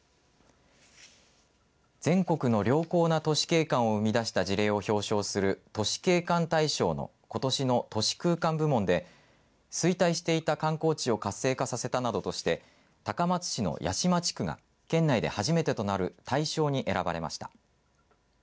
全国の良好な都市景観を生み出した事例を表彰する都市景観大賞のことしの都市空間部門で衰退していた観光地を活性化させたなどとして高松市の屋島地区が県内で初めてとなる大賞に選ばれました。